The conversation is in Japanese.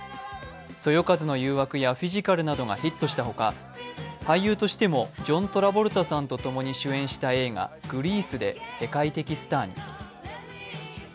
「そよ風の誘惑」や「フィジカル」などがヒットしたほか俳優としてもジョン・トラボルタさんとともに主演した映画「グリース」で世界的スターに。